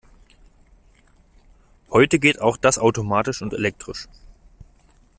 Heute geht auch das automatisch und elektrisch.